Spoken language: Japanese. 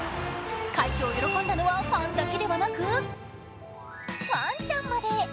快挙を喜んだのはファンだけではなくワンちゃんまで！